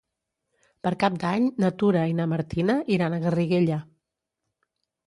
Per Cap d'Any na Tura i na Martina iran a Garriguella.